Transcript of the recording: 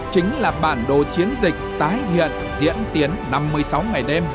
chính là bản đồ chiến dịch tái hiện diễn tiến năm mươi sáu ngày đêm